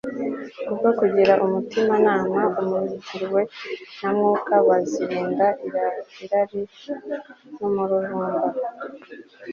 kubwo kugira umutimanama umurikiwe na mwuka bazirinda irari n'umururumba